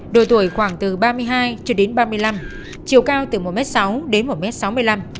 độ tuổi khoảng từ ba mươi hai ba mươi năm chiều cao từ một sáu m đến một sáu mươi năm m